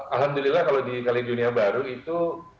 alhamdulillah kalau di kaledonia baru itu